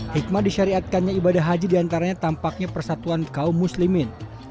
hikmah disyariatkannya ibadah haji diantaranya tampaknya persatuan kaum muslimin